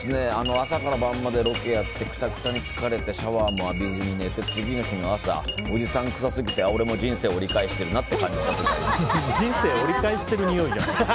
朝から晩までロケやってくたくたに疲れてシャワーも浴びずに寝て次の日の朝、おじさん臭すぎて人生折り返してるなっていう感じです。